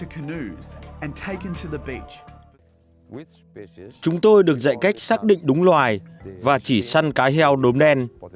chúng tôi được dạy cách xác định đúng loài và chỉ săn cá heo đốm đen